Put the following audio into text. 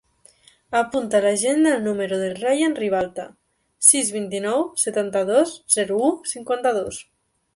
Apunta a l'agenda el número del Rayan Ribalta: sis, vint-i-nou, setanta-dos, zero, u, cinquanta-dos.